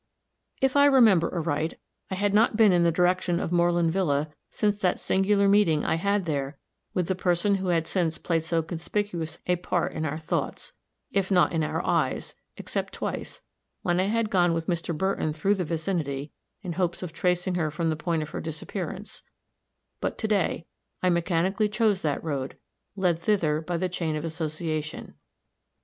If I remember aright, I had not been in the direction of Moreland villa since that singular meeting I had there with the person who had since played so conspicuous a part in our thoughts, if not in our eyes except twice, when I had gone with Mr. Burton through the vicinity, in hopes of tracing her from the point of her disappearance but to day, I mechanically chose that road, led thither by the chain of association.